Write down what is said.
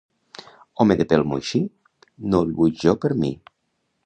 Home de pèl moixí no el vull jo per mi.